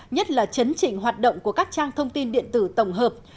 nhất là chấn chỉnh hoạt động của các trang thông tin điện tử tổng hợp